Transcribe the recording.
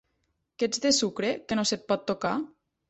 Que ets de sucre, que no se't pot tocar?